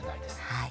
はい。